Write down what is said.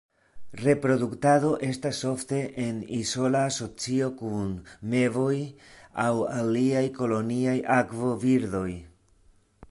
Reproduktado estas ofte en izola asocio kun mevoj aŭ aliaj koloniaj akvo birdoj.